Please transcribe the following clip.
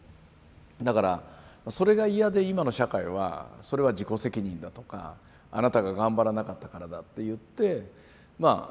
だからそれが嫌で今の社会はそれは自己責任だとかあなたが頑張らなかったからだっていってまあ結果的には見捨てるんですよね。